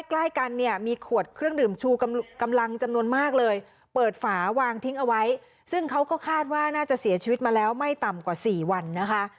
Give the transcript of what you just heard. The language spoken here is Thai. ใกล้กันเนี่ยมีขวดเครื่องดื่มชูกำลังจำนวนมากเลยเปิดฝาวางทิ้งเอาไว้ซึ่งเขาก็คาดว่าน่าจะเสียชีวิตมาแล้วไม่ต่ำกว่าสี่วันนะคะ